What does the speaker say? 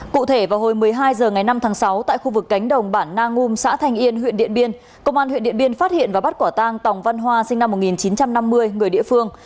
cụ thể vào hồi một mươi hai h ngày năm tháng sáu tại khu vực cánh đồng bản na ngum xã thanh yên huyện điện biên công an huyện điện biên phát hiện và bắt quả tang tòng văn hoa sinh năm một nghìn chín trăm năm mươi người địa phương